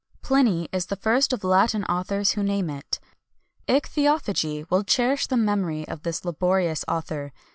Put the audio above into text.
Pliny is the first of Latin authors who name it.[XXI 173] Ichthyophagy will cherish the memory of this laborious author.